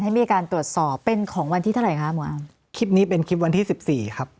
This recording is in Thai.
ให้มีการตรวจสอบเป็นของวันที่เท่าไหร่คะหมอคลิปนี้เป็นคลิปวันที่สิบสี่ครับ